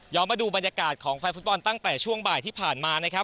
มาดูบรรยากาศของแฟนฟุตบอลตั้งแต่ช่วงบ่ายที่ผ่านมานะครับ